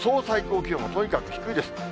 最高気温もとにかく低いです。